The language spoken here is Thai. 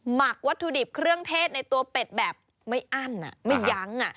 หมักวัตถุดิบเครื่องเทศในตัวเป็ดแบบไม่อั้นไม่ยั้ง